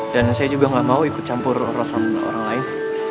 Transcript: dan saya juga gak mau ikut campur rosan sama orang lain